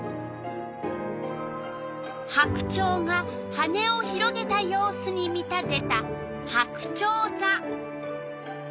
白鳥が羽を広げた様子に見立てたはくちょうざ。